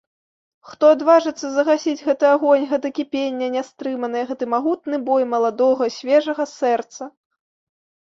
Хто адважыцца загасіць гэты агонь, гэта кіпенне нястрыманае, гэты магутны бой маладога свежага сэрца!